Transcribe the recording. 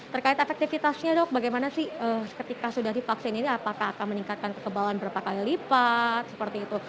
terkait efektivitasnya dok bagaimana sih ketika sudah divaksin ini apakah akan meningkatkan kekebalan berapa kali lipat seperti itu